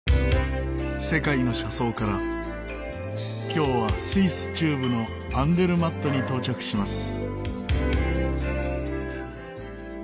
今日はスイス中部のアンデルマットに到着します。